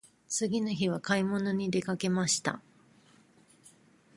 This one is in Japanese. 次の日は買い物に出かけました。